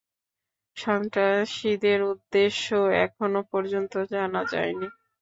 সন্ত্রাসীদের উদ্দেশ্য এখনও পর্যন্ত জানা যায় নি।